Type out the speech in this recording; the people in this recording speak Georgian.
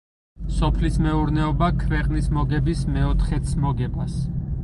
სოფლის მეურნეობა ქვეყნის მოგების მეოთხედს მოგებას.